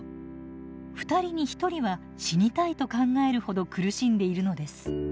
２人に１人は「死にたい」と考えるほど苦しんでいるのです。